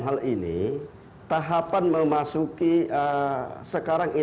sepuluh februari pak ya maksudnya pak ya